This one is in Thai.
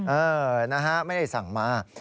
เออนะฮะไม่ได้สั่งมา